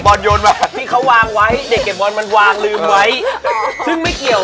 พอเข้าประตูไปแล้วเนี่ย